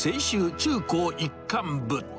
中高一貫部。